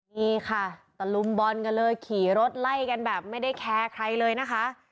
นี่ค่ะตะลุมบอลกันเลยขี่รถไล่กันแบบไม่ได้แคร์ใครเลยนะคะ